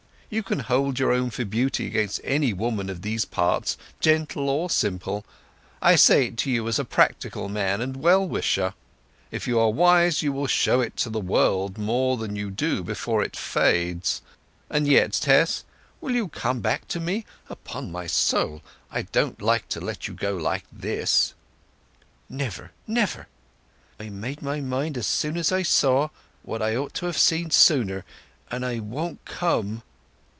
You can hold your own for beauty against any woman of these parts, gentle or simple; I say it to you as a practical man and well wisher. If you are wise you will show it to the world more than you do before it fades... And yet, Tess, will you come back to me! Upon my soul, I don't like to let you go like this!" "Never, never! I made up my mind as soon as I saw—what I ought to have seen sooner; and I won't come."